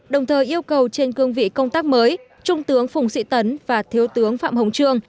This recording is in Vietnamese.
đồng thời yêu cầu trên cương vị công tác mới trung tướng phùng sĩ tấn và thiếu tướng phạm hồng trương